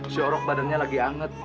si orang badannya lagi anget